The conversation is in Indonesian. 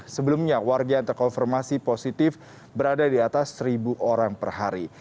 sebelumnya warga yang terkonfirmasi positif berada di atas seribu orang per hari